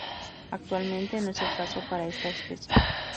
Actualmente, no es el caso para esta especie.